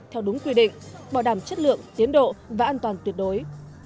theo đúng quy định bảo đảm chất lượng tiến độ và an toàn tuyệt đối